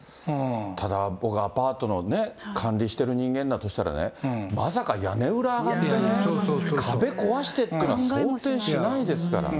ただ僕、アパートの管理してる人間だとしたらね、まさか屋根裏上がってね、壁壊してっていうのは、想定しないですからね。